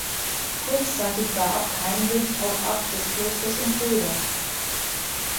Kurzzeitig war Abt Heinrich auch Abt des Klosters in Fulda.